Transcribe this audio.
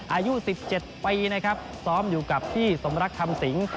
อายุ๑๗ปีนะครับซ้อมอยู่กับพี่สมรักคำสิง